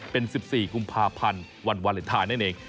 เป็น๑๔กุมภาพันธ์วันวาเลนไทยนั่นเอง